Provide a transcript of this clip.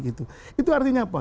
itu artinya apa